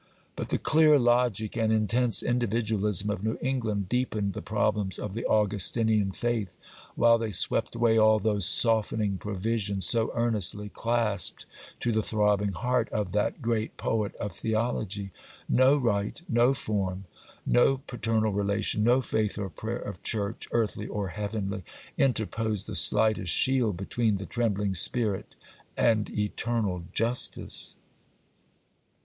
But the clear logic and intense individualism of New England deepened the problems of the Augustinian faith, while they swept away all those softening provisions so earnestly clasped to the throbbing heart of that great poet of theology. No rite, no form, no paternal relation, no faith or prayer of church, earthly or heavenly, interposed the slightest shield between the trembling spirit and Eternal Justice.